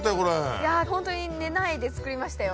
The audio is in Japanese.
いやホントに寝ないで作りましたよ。